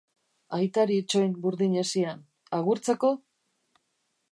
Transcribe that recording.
Aitari itxoin burdin hesian, agurtzeko?